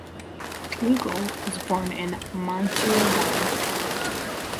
Lugol was born in Montauban.